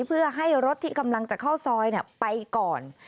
เพื่อให้รถที่กำลังจะเข้าซอยไปก่อน